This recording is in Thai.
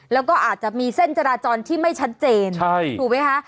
แล้วก็อาจจะมีเส้นจราจรที่ไม่ชัดเจนถูกไหมคะ